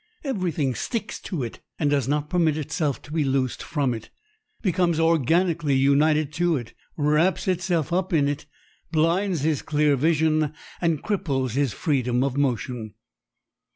Everything sticks to it and does not permit itself to be loosed from it, becomes organically united to it, wraps itself up in it, blinds his clear vision and cripples his freedom of motion.